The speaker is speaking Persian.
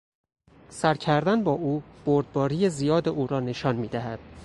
سر کردن با او، بردباری زیاد او را نشان میدهد.